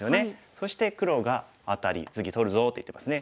そして黒がアタリ「次取るぞ」って言ってますね。